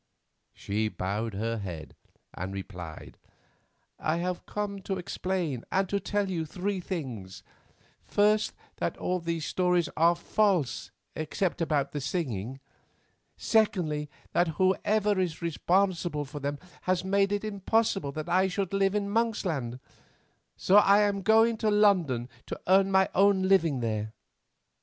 She bowed her head, and replied, "I have come to explain and to tell you three things. First, that all these stories are false except that about the singing. Secondly, that whoever is responsible for them has made it impossible that I should live in Monksland, so I am going to London to earn my own living there.